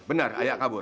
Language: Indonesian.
benar ayah kabur